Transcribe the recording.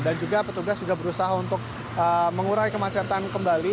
dan juga petugas sudah berusaha untuk mengurai kemacetan kembali